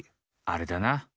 あれだな！